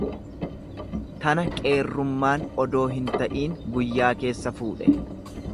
Tana qeerrummaan odoo hin ta'in guyyaa keessa fuudhe.